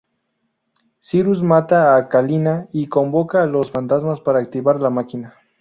Cyrus mata a Kalina y convoca a los fantasmas para activar la máquina.